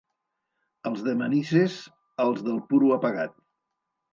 Els de Manises, els del «puro» apagat.